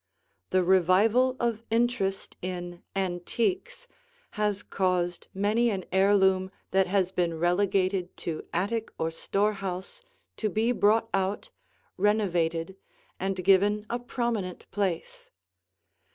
The revival of interest in "antiques" has caused many an heirloom that has been relegated to attic or storehouse to be brought out, renovated, and given a prominent place.